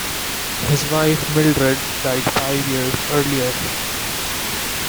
His wife, Mildred, died five years earlier.